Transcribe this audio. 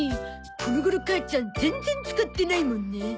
この頃母ちゃん全然使ってないもんね。